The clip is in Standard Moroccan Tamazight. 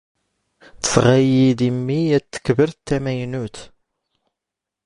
ⵜⵙⵖⴰ ⵉⵢⵉ ⴷ ⵉⵎⵎⵉ ⵢⴰⵜ ⵜⴽⴱⵔⵜ ⵜⴰⵎⴰⵢⵏⵓⵜ.